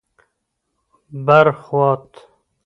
بر خوات: